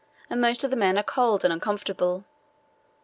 and most of the men are cold and uncomfortable.